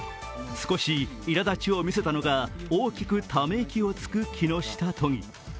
少しいらだちを見せたのか、大きくため息をつく木下都議。